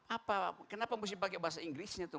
apa kenapa mesti pakai bahasa inggrisnya tuh